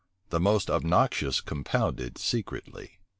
[*] The most obnoxious compounded secretly.